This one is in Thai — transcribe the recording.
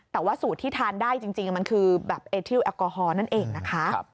แต่ว่าสูตรที่ทานได้จริงมันคือแบบเอทิลแอลกอฮอลนั่นเองนะคะ